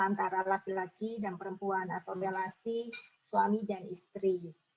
antara laki laki dan perempuan atau relasi suami dan istri